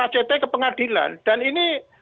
act ke pengadilan dan ini